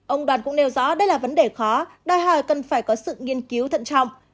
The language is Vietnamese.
ông đoàn cũng nêu rõ đây là vấn đề khó đòi hỏi cần phải có sự nghiên cứu thận trọng